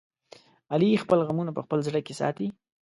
علي خپل غمونه په خپل زړه کې ساتي.